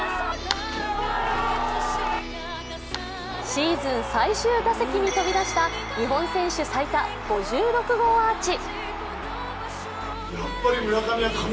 シーズン最終打席に飛び出した日本選手最多５６号アーチ。